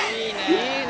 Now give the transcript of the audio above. いいね